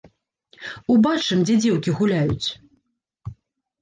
Убачым, дзе дзеўкі гуляюць.